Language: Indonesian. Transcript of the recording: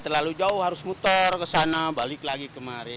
terlalu jauh harus motor ke sana balik lagi kemarin